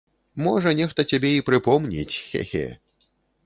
Можа, нехта цябе і прыпомніць, хе-хе.